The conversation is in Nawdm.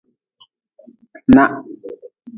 Nah.